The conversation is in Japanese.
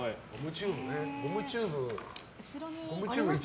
ゴムチューブね。